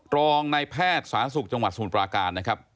รองในแพทย์สาธารณสุขจังหวัดสมุทรปราการนะครับ